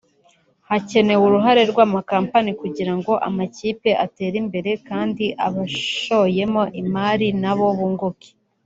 Hakenewe uruhare rw’amakampani kugira ngo amakipe atere imbere kandi abashoyemo imari na bo bunguke